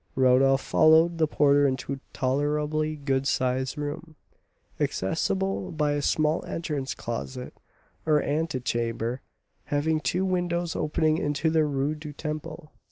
Rodolph followed the porter into a tolerably good sized room, accessible by a small entrance closet, or antechamber, having two windows opening into the Rue du Temple.